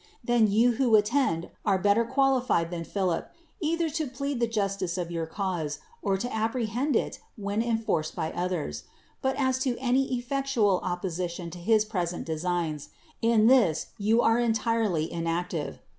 Then you who attend are better qualified than Philip, either to plead the justice of your cause or to apprehend it when enforced by others; but as to any effectual op position to his present designs, in this you are entirely inactive.